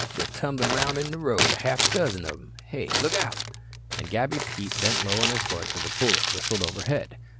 They're tumblin' around in the road, a half dozen of 'em. Hey, look out." And Gabby Pete bent low on his horse as a bullet whistled overhead.